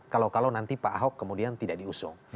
kalau kalau nanti pak ahok kemudian tidak diusung